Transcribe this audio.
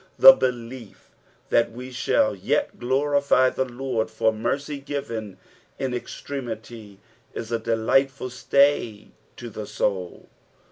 The belief that we shall yet glorify the Lord for mercy given in ex tremity is a delightful stay to the soul.